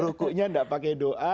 rukunya tidak pakai doa